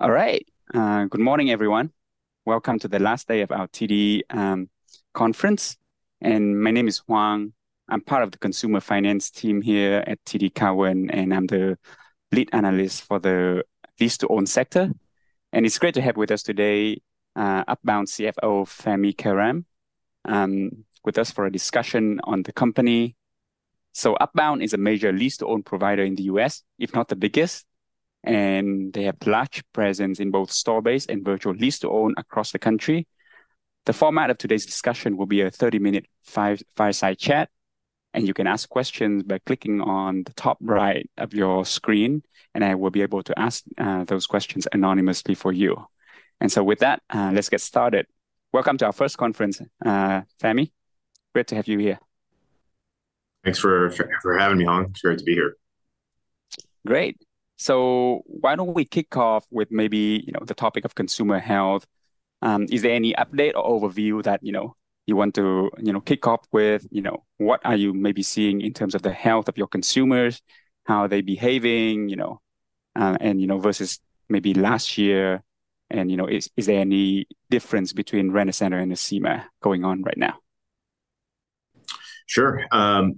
All right. Good morning, everyone. Welcome to the last day of our TD conference. My name is Hoang. I'm part of the consumer finance team here at TD Cowen, and I'm the lead analyst for the lease-to-own sector. It's great to have with us today Upbound CFO Fahmi Karam with us for a discussion on the company. Upbound is a major lease-to-own provider in the U.S., if not the biggest. They have a large presence in both store-based and virtual lease-to-own across the country. The format of today's discussion will be a 30-minute fireside chat. You can ask questions by clicking on the top right of your screen. I will be able to ask those questions anonymously for you. With that, let's get started. Welcome to our first conference, Fahmi. Great to have you here. Thanks for having me on. It's great to be here. Great. So why don't we kick off with maybe the topic of consumer health? Is there any update or overview that you want to kick off with? What are you maybe seeing in terms of the health of your consumers, how are they behaving versus maybe last year? And is there any difference between Rent-A-Center and Acima going on right now? Sure.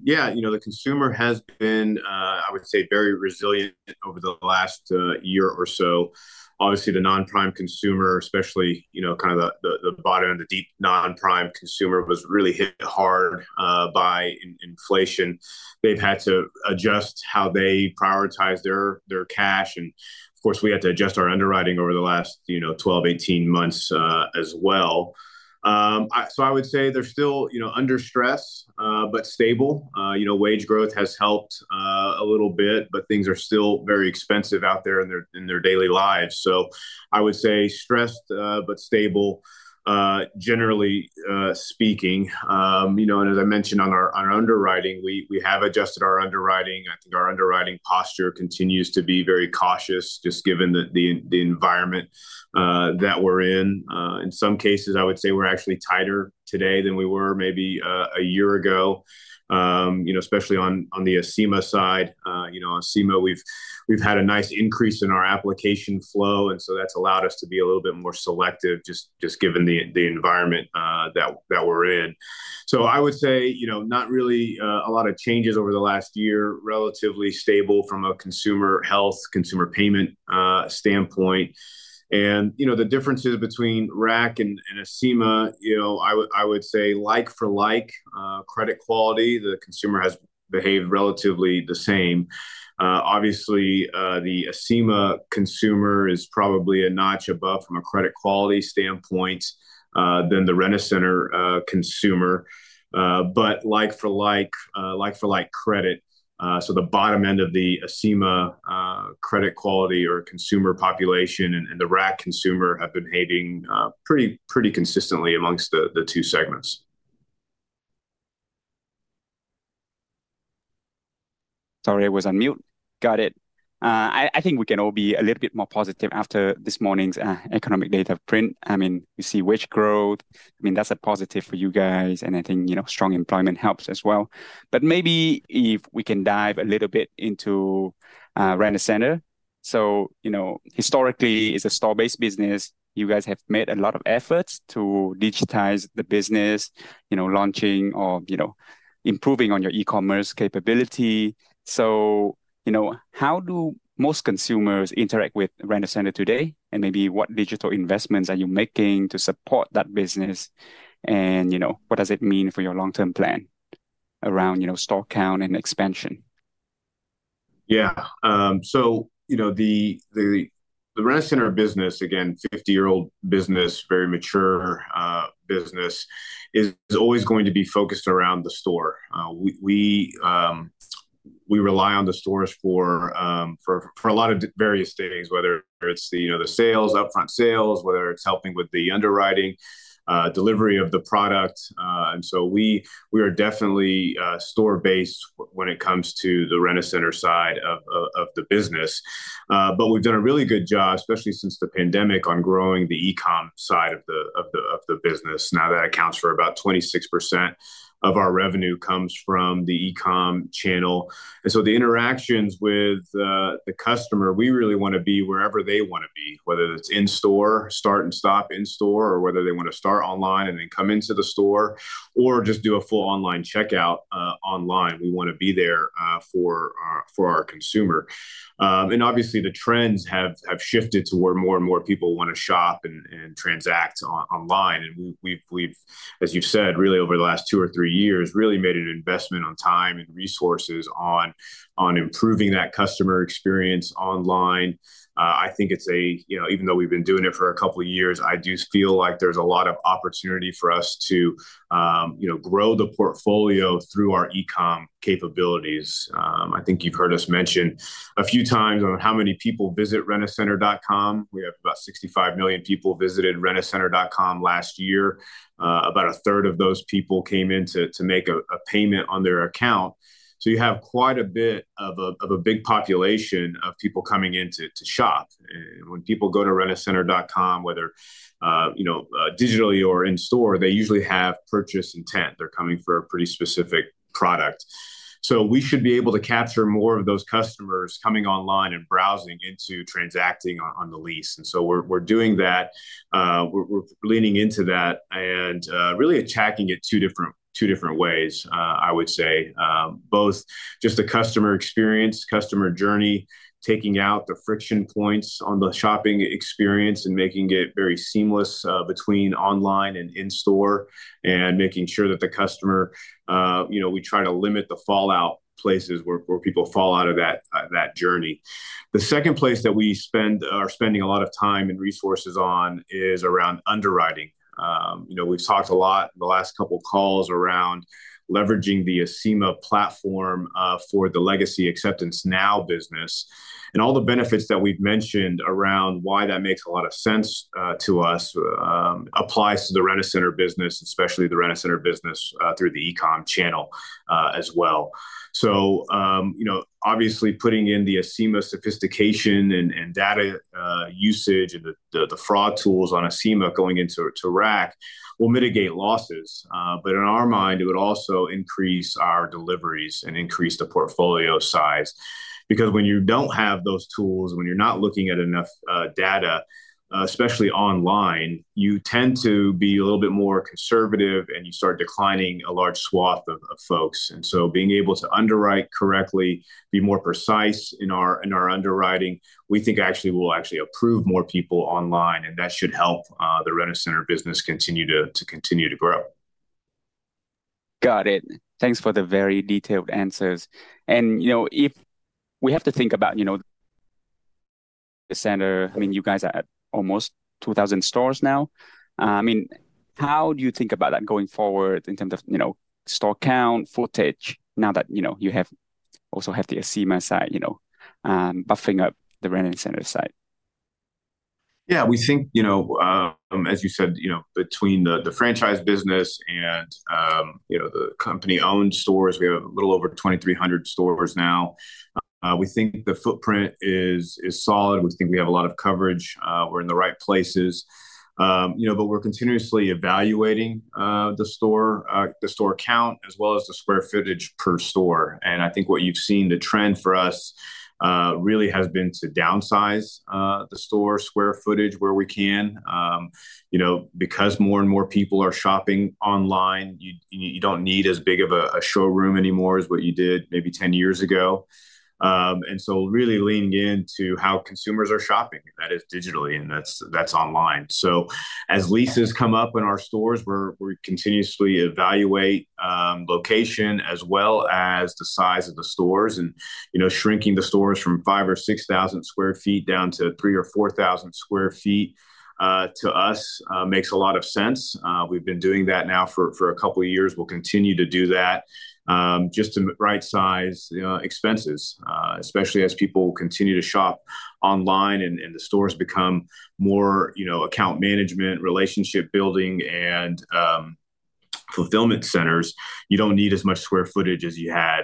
Yeah. The consumer has been, I would say, very resilient over the last year or so. Obviously, the non-prime consumer, especially kind of the bottom and the deep non-prime consumer, was really hit hard by inflation. They've had to adjust how they prioritize their cash. And of course, we had to adjust our underwriting over the last 12, 18 months as well. So I would say they're still under stress, but stable. Wage growth has helped a little bit, but things are still very expensive out there in their daily lives. So I would say stressed, but stable, generally speaking. And as I mentioned on our underwriting, we have adjusted our underwriting. I think our underwriting posture continues to be very cautious, just given the environment that we're in. In some cases, I would say we're actually tighter today than we were maybe a year ago, especially on the Acima side. On Acima, we've had a nice increase in our application flow. And so that's allowed us to be a little bit more selective, just given the environment that we're in. So I would say not really a lot of changes over the last year, relatively stable from a consumer health, consumer payment standpoint. And the differences between RAC and Acima, I would say like-for-like, credit quality. The consumer has behaved relatively the same. Obviously, the Acima consumer is probably a notch above from a credit quality standpoint than the RAC consumer. But like-for-like credit, so the bottom end of the Acima credit quality or consumer population and the RAC consumer have been behaving pretty consistently amongst the two segments. Sorry, I was on mute. Got it. I think we can all be a little bit more positive after this morning's economic data print. I mean, we see wage growth. I mean, that's a positive for you guys. And I think strong employment helps as well. But maybe if we can dive a little bit into Rent-A-Center. So historically, it's a store-based business. You guys have made a lot of efforts to digitize the business, launching or improving on your e-commerce capability. So how do most consumers interact with Rent-A-Center today? And maybe what digital investments are you making to support that business? And what does it mean for your long-term plan around store count and expansion? Yeah. So the Rent-A-Center business, again, 50-year-old business, very mature business, is always going to be focused around the store. We rely on the stores for a lot of various things, whether it's the sales, upfront sales, whether it's helping with the underwriting, delivery of the product. And so we are definitely store-based when it comes to the Rent-A-Center side of the business. But we've done a really good job, especially since the pandemic, on growing the e-com side of the business. Now that accounts for about 26% of our revenue comes from the e-com channel. And so the interactions with the customer, we really want to be wherever they want to be, whether it's in-store, start and stop in-store, or whether they want to start online and then come into the store, or just do a full online checkout online. We want to be there for our consumer. Obviously, the trends have shifted to where more and more people want to shop and transact online. And we've, as you've said, really over the last two or three years, really made an investment on time and resources on improving that customer experience online. I think it's a, even though we've been doing it for a couple of years, I do feel like there's a lot of opportunity for us to grow the portfolio through our e-com capabilities. I think you've heard us mention a few times on how many people visit Rent-A-Center.com. We have about 65 million people visited Rent-A-Center.com last year. About a third of those people came in to make a payment on their account. So you have quite a bit of a big population of people coming in to shop. And when people go to Rent-A-Center.com, whether digitally or in-store, they usually have purchase intent. They're coming for a pretty specific product. So we should be able to capture more of those customers coming online and browsing into transacting on the lease. And so we're doing that. We're leaning into that and really attacking it two different ways, I would say, both just the customer experience, customer journey, taking out the friction points on the shopping experience and making it very seamless between online and in-store and making sure that the customer, we try to limit the fallout places where people fall out of that journey. The second place that we are spending a lot of time and resources on is around underwriting. We've talked a lot in the last couple of calls around leveraging the Acima platform for the legacy Acceptance Now business. All the benefits that we've mentioned around why that makes a lot of sense to us applies to the Rent-A-Center business, especially the Rent-A-Center business through the e-com channel as well. Obviously, putting in the Acima sophistication and data usage and the fraud tools on Acima going into RAC will mitigate losses. But in our mind, it would also increase our deliveries and increase the portfolio size. Because when you don't have those tools, when you're not looking at enough data, especially online, you tend to be a little bit more conservative, and you start declining a large swath of folks. And so being able to underwrite correctly, be more precise in our underwriting, we think actually will actually approve more people online. And that should help the Rent-A-Center business continue to grow. Got it. Thanks for the very detailed answers. We have to think about Rent-A-Center. I mean, you guys are at almost 2,000 stores now. I mean, how do you think about that going forward in terms of store count, footage, now that you also have the Acima side buffering up the Rent-A-Center side? Yeah. We think, as you said, between the franchise business and the company-owned stores, we have a little over 2,300 stores now. We think the footprint is solid. We think we have a lot of coverage. We're in the right places. But we're continuously evaluating the store count as well as the square footage per store. And I think what you've seen, the trend for us really has been to downsize the store square footage where we can. Because more and more people are shopping online, you don't need as big of a showroom anymore as what you did maybe 10 years ago. And so really leaning into how consumers are shopping, that is digitally, and that's online. So as leases come up in our stores, we continuously evaluate location as well as the size of the stores. Shrinking the stores from 5,000 or 6,000 sq ft down to 3,000 or 4,000 sq ft to us makes a lot of sense. We've been doing that now for a couple of years. We'll continue to do that just to right-size expenses, especially as people continue to shop online and the stores become more account management, relationship building, and fulfillment centers. You don't need as much square footage as you had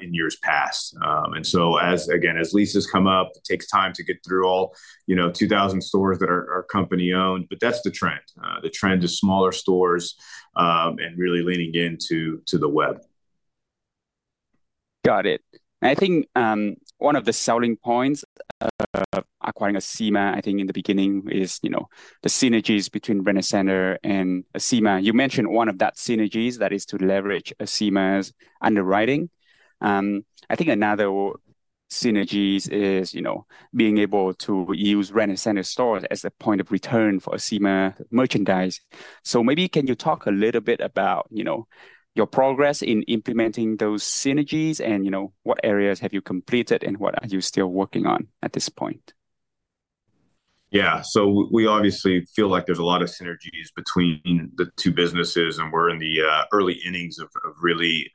in years past. And so again, as leases come up, it takes time to get through all 2,000 stores that are company-owned. But that's the trend. The trend is smaller stores and really leaning into the web. Got it. I think one of the selling points of acquiring Acima, I think in the beginning, is the synergies between Rent-A-Center and Acima. You mentioned one of that synergies that is to leverage Acima's underwriting. I think another synergy is being able to use Rent-A-Center stores as a point of return for Acima merchandise. So maybe can you talk a little bit about your progress in implementing those synergies and what areas have you completed and what are you still working on at this point? Yeah. So we obviously feel like there's a lot of synergies between the two businesses. And we're in the early innings of really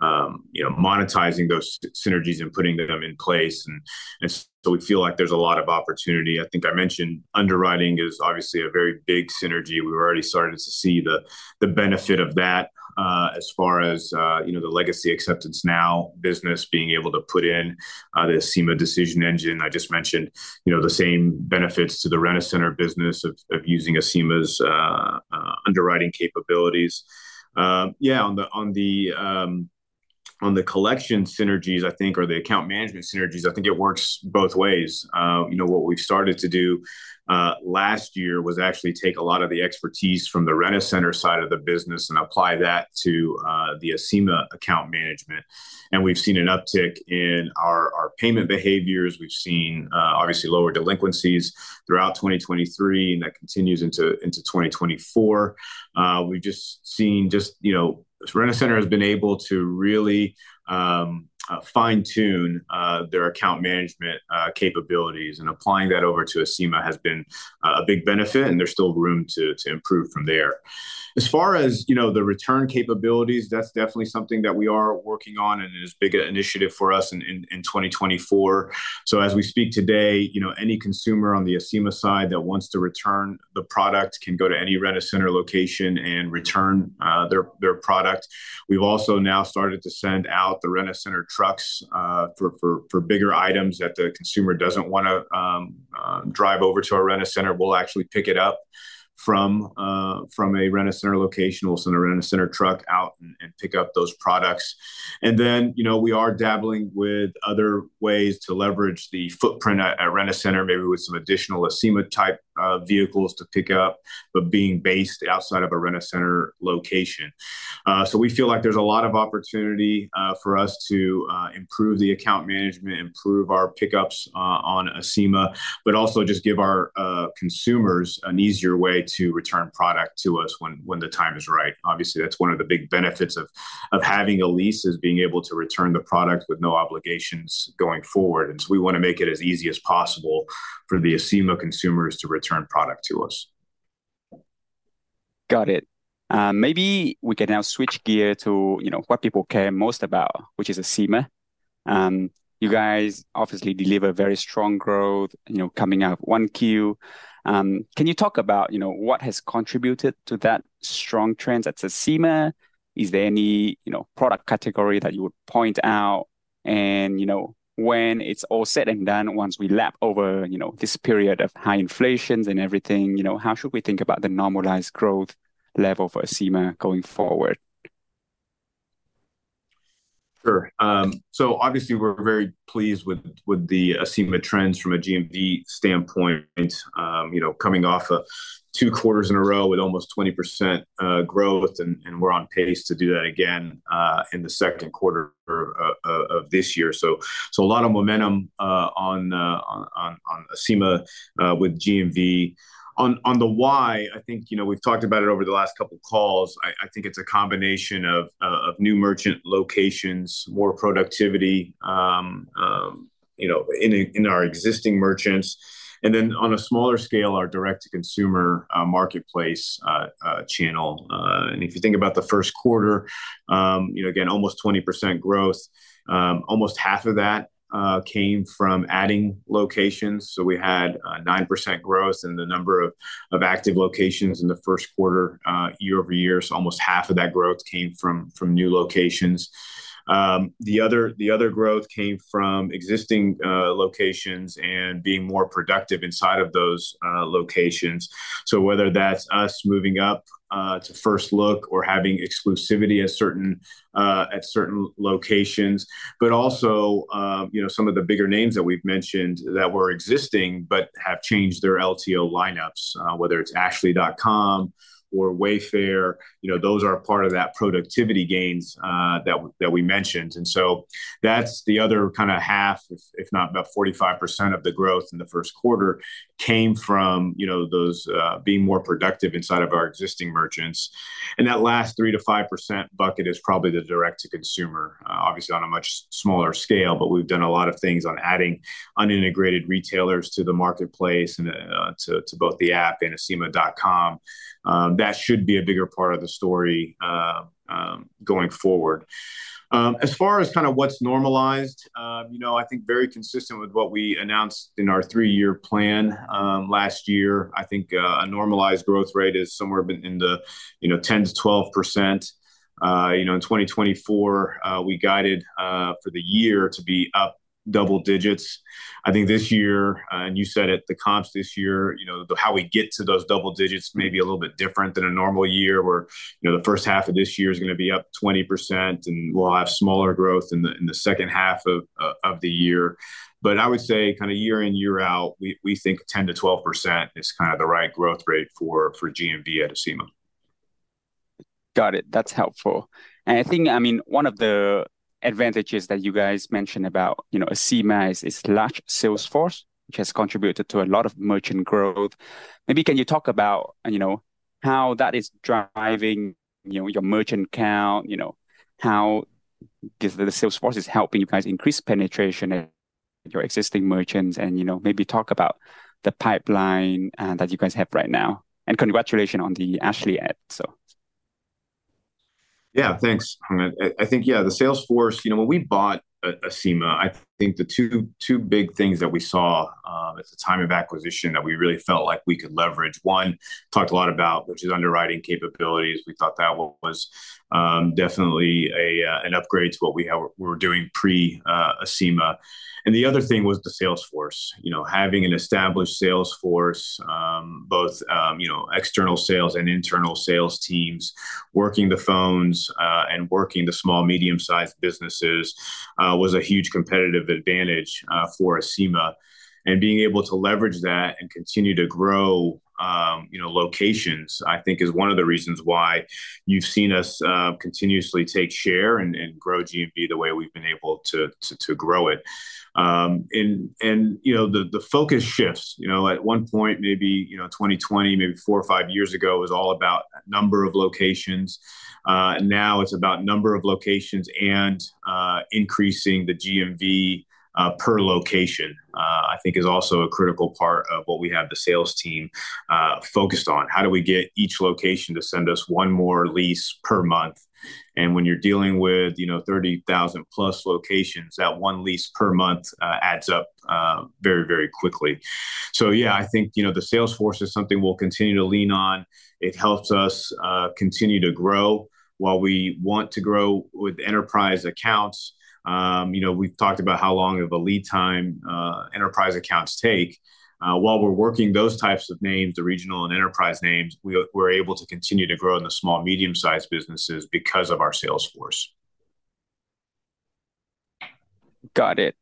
monetizing those synergies and putting them in place. And so we feel like there's a lot of opportunity. I think I mentioned underwriting is obviously a very big synergy. We've already started to see the benefit of that as far as the legacy Acceptance Now business being able to put in the Acima decision engine. I just mentioned the same benefits to the Rent-A-Center business of using Acima's underwriting capabilities. Yeah. On the collection synergies, I think, or the account management synergies, I think it works both ways. What we've started to do last year was actually take a lot of the expertise from the Rent-A-Center side of the business and apply that to the Acima account management. And we've seen an uptick in our payment behaviors. We've seen obviously lower delinquencies throughout 2023, and that continues into 2024. We've just seen Rent-A-Center has been able to really fine-tune their account management capabilities. Applying that over to Acima has been a big benefit. There's still room to improve from there. As far as the return capabilities, that's definitely something that we are working on and is a big initiative for us in 2024. As we speak today, any consumer on the Acima side that wants to return the product can go to any Rent-A-Center location and return their product. We've also now started to send out the Rent-A-Center trucks for bigger items. If the consumer doesn't want to drive over to our Rent-A-Center, we'll actually pick it up from a Rent-A-Center location. We'll send a Rent-A-Center truck out and pick up those products. And then we are dabbling with other ways to leverage the footprint at Rent-A-Center, maybe with some additional Acima-type vehicles to pick up, but being based outside of a Rent-A-Center location. So we feel like there's a lot of opportunity for us to improve the account management, improve our pickups on Acima, but also just give our consumers an easier way to return product to us when the time is right. Obviously, that's one of the big benefits of having a lease is being able to return the product with no obligations going forward. And so we want to make it as easy as possible for the Acima consumers to return product to us. Got it. Maybe we can now switch gear to what people care most about, which is Acima. You guys obviously deliver very strong growth coming out of 1Q. Can you talk about what has contributed to that strong trend at Acima? Is there any product category that you would point out? And when it's all said and done, once we lap over this period of high inflation and everything, how should we think about the normalized growth level for Acima going forward? Sure. So obviously, we're very pleased with the Acima trends from a GMV standpoint, coming off two quarters in a row with almost 20% growth. We're on pace to do that again in the second quarter of this year. A lot of momentum on Acima with GMV. On the why, I think we've talked about it over the last couple of calls. I think it's a combination of new merchant locations, more productivity in our existing merchants. Then on a smaller scale, our direct-to-consumer marketplace channel. If you think about the first quarter, again, almost 20% growth. Almost half of that came from adding locations. So we had 9% growth in the number of active locations in the first quarter year-over-year. Almost half of that growth came from new locations. The other growth came from existing locations and being more productive inside of those locations. So whether that's us moving up to First Look or having exclusivity at certain locations, but also some of the bigger names that we've mentioned that were existing but have changed their LTO lineups, whether it's Ashley.com or Wayfair, those are part of that productivity gains that we mentioned. So that's the other kind of half, if not about 45% of the growth in the first quarter came from those being more productive inside of our existing merchants. And that last 3%-5% bucket is probably the direct-to-consumer, obviously on a much smaller scale. But we've done a lot of things on adding unintegrated retailers to the marketplace and to both the app and Acima.com. That should be a bigger part of the story going forward. As far as kind of what's normalized, I think very consistent with what we announced in our three-year plan last year. I think a normalized growth rate is somewhere in the 10%-12%. In 2024, we guided for the year to be up double digits. I think this year, and you said it, the comps this year, how we get to those double digits may be a little bit different than a normal year where the first half of this year is going to be up 20% and we'll have smaller growth in the second half of the year. But I would say kind of year in, year out, we think 10%-12% is kind of the right growth rate for GMV at Acima. Got it. That's helpful. I think, I mean, one of the advantages that you guys mentioned about Acima is its large sales force, which has contributed to a lot of merchant growth. Maybe can you talk about how that is driving your merchant count, how the sales force is helping you guys increase penetration at your existing merchants and maybe talk about the pipeline that you guys have right now. Congratulations on the Ashley ad, so. Yeah. Thanks. I think, yeah, the sales force, when we bought Acima, I think the two big things that we saw at the time of acquisition that we really felt like we could leverage, one talked a lot about, which is underwriting capabilities. We thought that was definitely an upgrade to what we were doing pre-Acima. And the other thing was the sales force. Having an established sales force, both external sales and internal sales teams, working the phones and working the small, medium-sized businesses was a huge competitive advantage for Acima. And being able to leverage that and continue to grow locations, I think, is one of the reasons why you've seen us continuously take share and grow GMV the way we've been able to grow it. And the focus shifts. At one point, maybe 2020, maybe four or five years ago, it was all about number of locations. Now it's about number of locations and increasing the GMV per location, I think, is also a critical part of what we have the sales team focused on. How do we get each location to send us one more lease per month? And when you're dealing with 30,000+ locations, that one lease per month adds up very, very quickly. So yeah, I think the sales force is something we'll continue to lean on. It helps us continue to grow while we want to grow with enterprise accounts. We've talked about how long of a lead time enterprise accounts take. While we're working those types of names, the regional and enterprise names, we're able to continue to grow in the small, medium-sized businesses because of our sales force. Got it.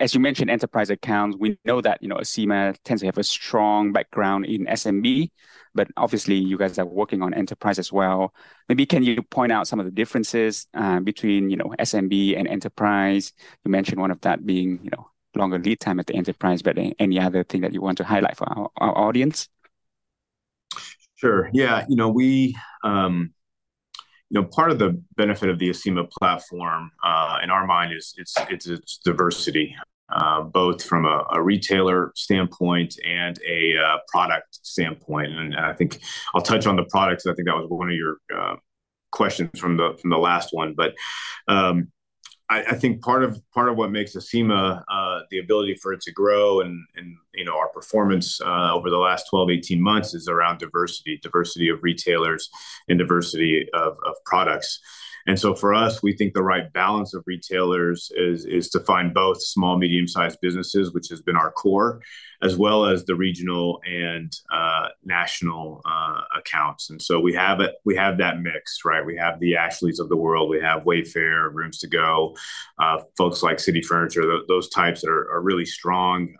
As you mentioned, enterprise accounts, we know that Acima tends to have a strong background in SMB, but obviously, you guys are working on enterprise as well. Maybe can you point out some of the differences between SMB and enterprise? You mentioned one of that being longer lead time at the enterprise, but any other thing that you want to highlight for our audience? Sure. Yeah. Part of the benefit of the Acima platform, in our mind, is its diversity, both from a retailer standpoint and a product standpoint. And I think I'll touch on the products. I think that was one of your questions from the last one. But I think part of what makes Acima, the ability for it to grow and our performance over the last 12-18 months is around diversity, diversity of retailers, and diversity of products. And so for us, we think the right balance of retailers is to find both small, medium-sized businesses, which has been our core, as well as the regional and national accounts. And so we have that mix, right? We have the Ashleys of the world. We have Wayfair, Rooms To Go, folks like City Furniture, those types that are really strong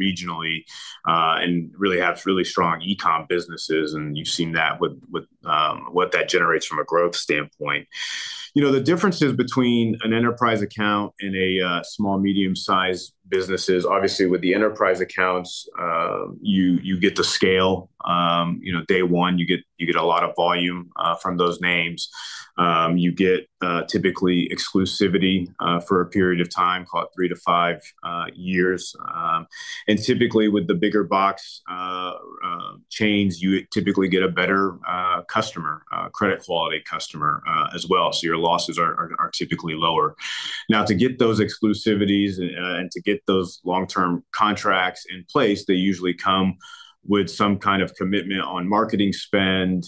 regionally and really have really strong e-com businesses. You've seen that with what that generates from a growth standpoint. The differences between an enterprise account and a small, medium-sized business is obviously with the enterprise accounts, you get the scale. Day one, you get a lot of volume from those names. You get typically exclusivity for a period of time, called three to five years. Typically, with the bigger box chains, you typically get a better customer, credit-quality customer as well. So your losses are typically lower. Now, to get those exclusivities and to get those long-term contracts in place, they usually come with some kind of commitment on marketing spend,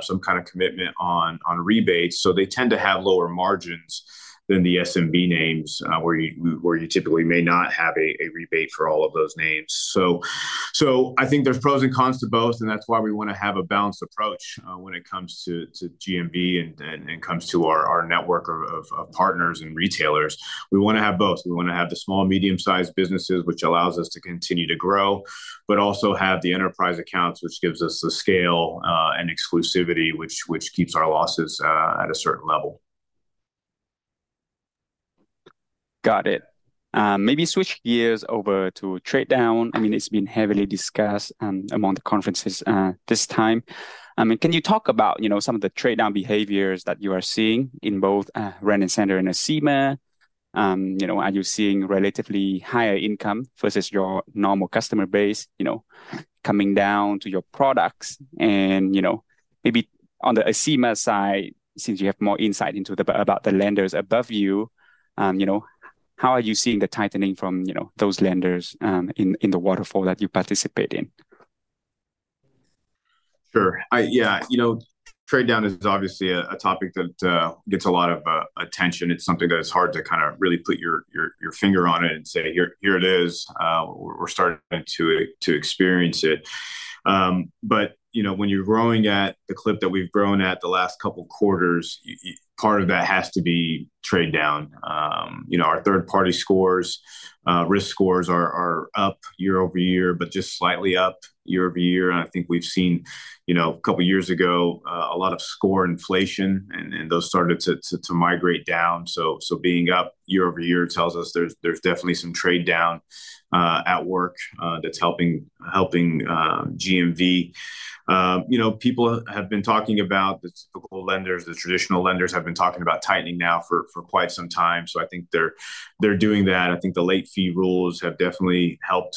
some kind of commitment on rebates. They tend to have lower margins than the SMB names where you typically may not have a rebate for all of those names. I think there's pros and cons to both. That's why we want to have a balanced approach when it comes to GMV and comes to our network of partners and retailers. We want to have both. We want to have the small, medium-sized businesses, which allows us to continue to grow, but also have the enterprise accounts, which gives us the scale and exclusivity, which keeps our losses at a certain level. Got it. Maybe switch gears over to trade down. I mean, it's been heavily discussed among the conferences this time. I mean, can you talk about some of the trade down behaviors that you are seeing in both Rent-A-Center and Acima? Are you seeing relatively higher income versus your normal customer base coming down to your products? And maybe on the Acima side, since you have more insight about the lenders above you, how are you seeing the tightening from those lenders in the waterfall that you participate in? Sure. Yeah. Trade down is obviously a topic that gets a lot of attention. It's something that it's hard to kind of really put your finger on it and say, "Here it is. We're starting to experience it." But when you're growing at the clip that we've grown at the last couple of quarters, part of that has to be trade down. Our third-party scores, risk scores are up year-over-year, but just slightly up year-over-year. And I think we've seen a couple of years ago a lot of score inflation, and those started to migrate down. So being up year-over-year tells us there's definitely some trade down at work that's helping GMV. People have been talking about the typical lenders, the traditional lenders have been talking about tightening now for quite some time. So I think they're doing that. I think the late fee rules have definitely helped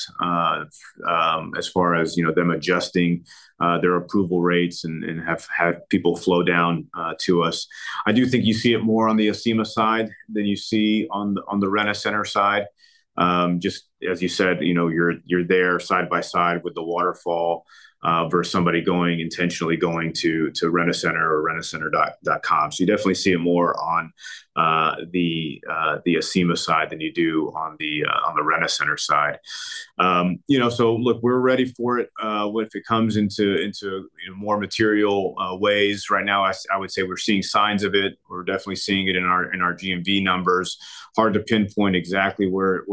as far as them adjusting their approval rates and have people flow down to us. I do think you see it more on the Acima side than you see on the Rent-A-Center side. Just as you said, you're there side by side with the waterfall versus somebody intentionally going to Rent-A-Center or Rent-A-Center.com. So you definitely see it more on the Acima side than you do on the Rent-A-Center side. So look, we're ready for it if it comes into more material ways. Right now, I would say we're seeing signs of it. We're definitely seeing it in our GMV numbers. Hard to pinpoint exactly where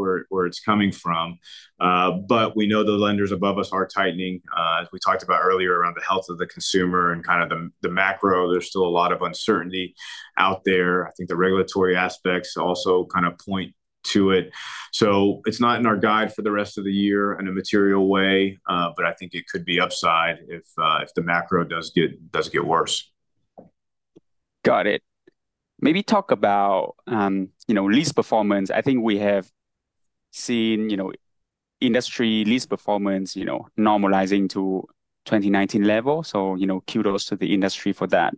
it's coming from. But we know the lenders above us are tightening. As we talked about earlier around the health of the consumer and kind of the macro, there's still a lot of uncertainty out there. I think the regulatory aspects also kind of point to it. So it's not in our guide for the rest of the year in a material way, but I think it could be upside if the macro does get worse. Got it. Maybe talk about lease performance. I think we have seen industry lease performance normalizing to 2019 level. So kudos to the industry for that.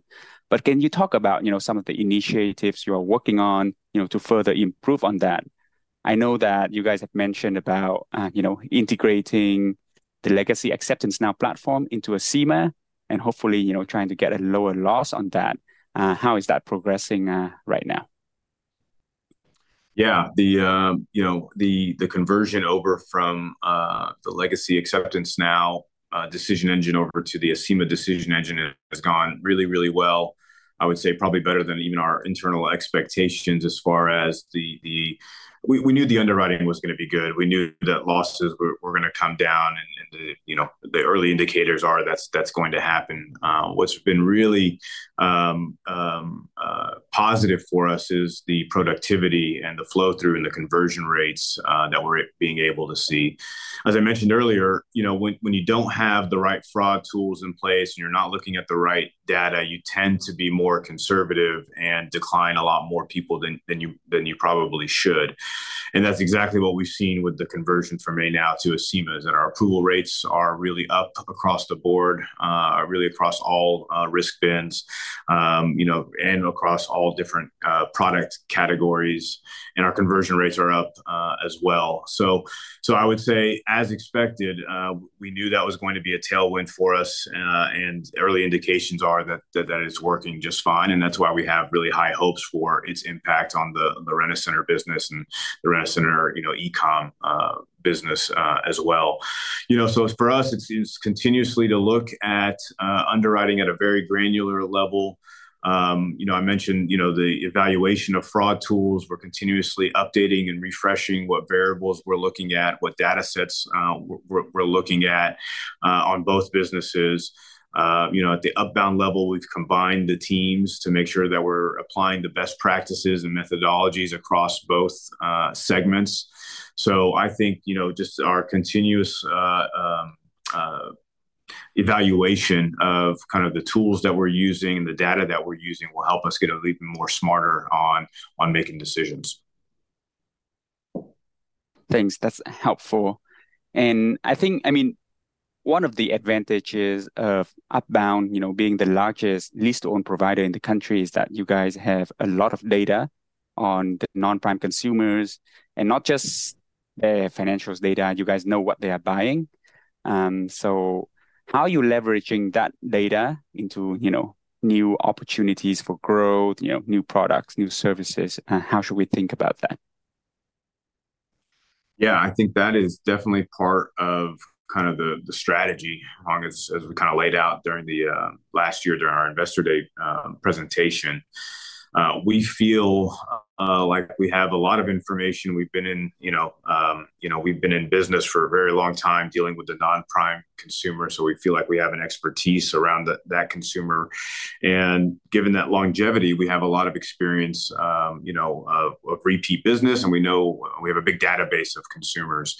But can you talk about some of the initiatives you are working on to further improve on that? I know that you guys have mentioned about integrating the legacy Acceptance Now platform into Acima and hopefully trying to get a lower loss on that. How is that progressing right now? Yeah. The conversion over from the legacy Acceptance Now decision engine over to the Acima decision engine has gone really, really well. I would say probably better than even our internal expectations as far as we knew the underwriting was going to be good. We knew that losses were going to come down. And the early indicators are that's going to happen. What's been really positive for us is the productivity and the flow-through and the conversion rates that we're being able to see. As I mentioned earlier, when you don't have the right fraud tools in place and you're not looking at the right data, you tend to be more conservative and decline a lot more people than you probably should. That's exactly what we've seen with the conversion from Acceptance Now to Acima is that our approval rates are really up across the board, really across all risk bins and across all different product categories. Our conversion rates are up as well. So I would say, as expected, we knew that was going to be a tailwind for us. Early indications are that it's working just fine. That's why we have really high hopes for its impact on the Rent-A-Center business and the Rent-A-Center e-com business as well. For us, it seems continuously to look at underwriting at a very granular level. I mentioned the evaluation of fraud tools. We're continuously updating and refreshing what variables we're looking at, what data sets we're looking at on both businesses. At the Upbound level, we've combined the teams to make sure that we're applying the best practices and methodologies across both segments. So I think just our continuous evaluation of kind of the tools that we're using and the data that we're using will help us get even more smarter on making decisions. Thanks. That's helpful. I think, I mean, one of the advantages of Upbound being the largest lease-to-own provider in the country is that you guys have a lot of data on the non-prime consumers. And not just their financials data, you guys know what they are buying. So how are you leveraging that data into new opportunities for growth, new products, new services? How should we think about that? Yeah. I think that is definitely part of kind of the strategy, as we kind of laid out during the last year during our Investor Day presentation. We feel like we have a lot of information. We've been in business for a very long time dealing with the non-prime consumer. So we feel like we have an expertise around that consumer. And given that longevity, we have a lot of experience of repeat business. And we know we have a big database of consumers.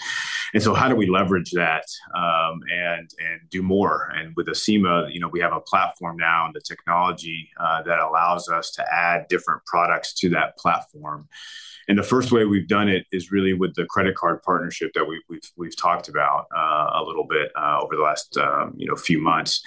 And so how do we leverage that and do more? And with Acima, we have a platform now and the technology that allows us to add different products to that platform. And the first way we've done it is really with the credit card partnership that we've talked about a little bit over the last few months.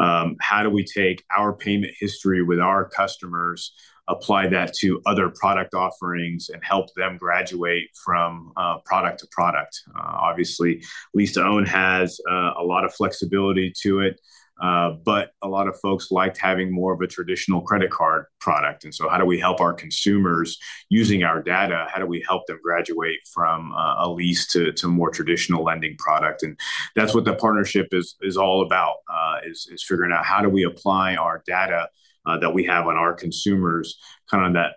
How do we take our payment history with our customers, apply that to other product offerings, and help them graduate from product to product? Obviously, lease-to-own has a lot of flexibility to it, but a lot of folks liked having more of a traditional credit card product. And so how do we help our consumers using our data? How do we help them graduate from a lease to more traditional lending product? And that's what the partnership is all about, is figuring out how do we apply our data that we have on our consumers, kind of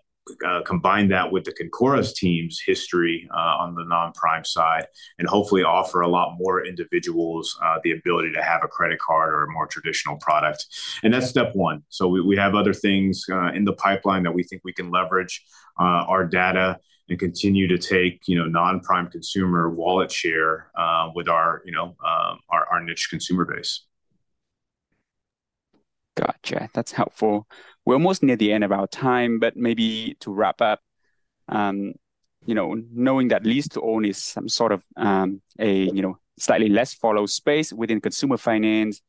combine that with the Concora team's history on the non-prime side, and hopefully offer a lot more individuals the ability to have a credit card or a more traditional product. And that's step one. So we have other things in the pipeline that we think we can leverage our data and continue to take non-prime consumer wallet share with our niche consumer base. Gotcha. That's helpful. We're almost near the end of our time, but maybe to wrap up, knowing that lease-to-own is some sort of a slightly less followed space within consumer finance,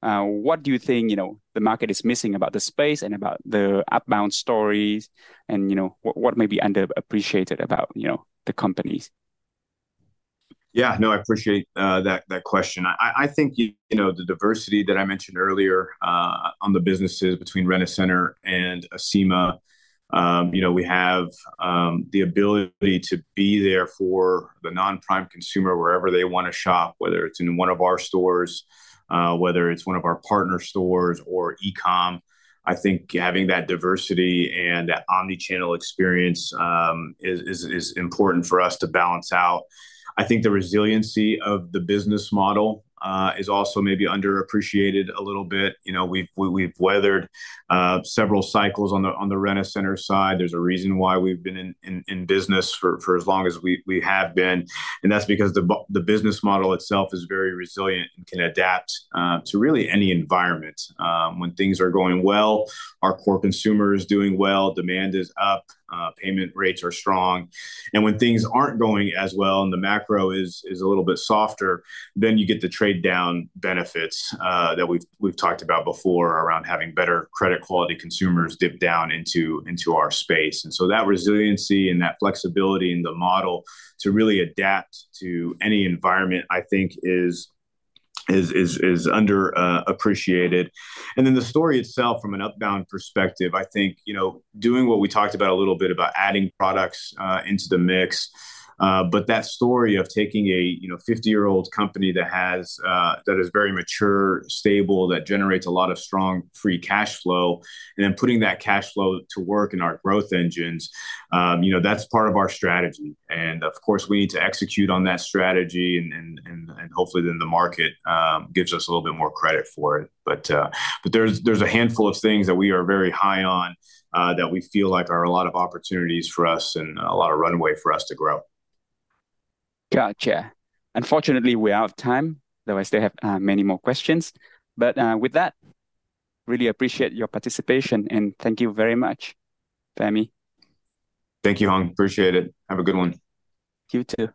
what do you think the market is missing about the space and about the Upbound stories? And what may be underappreciated about the companies? Yeah. No, I appreciate that question. I think the diversity that I mentioned earlier on the businesses between Rent-A-Center and Acima, we have the ability to be there for the non-prime consumer wherever they want to shop, whether it's in one of our stores, whether it's one of our partner stores, or e-com. I think having that diversity and that omnichannel experience is important for us to balance out. I think the resiliency of the business model is also maybe underappreciated a little bit. We've weathered several cycles on the Rent-A-Center side. There's a reason why we've been in business for as long as we have been. And that's because the business model itself is very resilient and can adapt to really any environment. When things are going well, our core consumer is doing well, demand is up, payment rates are strong. When things aren't going as well and the macro is a little bit softer, then you get the trade down benefits that we've talked about before around having better credit-quality consumers dip down into our space. And so that resiliency and that flexibility in the model to really adapt to any environment, I think, is underappreciated. And then the story itself from an Upbound perspective, I think doing what we talked about a little bit about adding products into the mix, but that story of taking a 50-year-old company that is very mature, stable, that generates a lot of strong free cash flow, and then putting that cash flow to work in our growth engines, that's part of our strategy. And of course, we need to execute on that strategy. And hopefully, then the market gives us a little bit more credit for it. There's a handful of things that we are very high on that we feel like are a lot of opportunities for us and a lot of runway for us to grow. Gotcha. Unfortunately, we are out of time, though I still have many more questions. But with that, really appreciate your participation. And thank you very much, Fahmi. Thank you, Hoang. Appreciate it. Have a good one. You too.